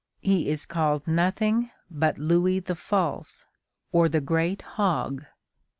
He is called nothing but Louis the False, or the great hog.